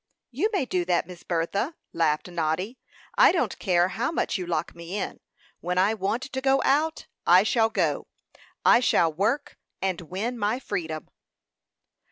"You may do that, Miss Bertha," laughed Noddy. "I don't care how much you lock me in. When I want to go out, I shall go. I shall work, and win my freedom."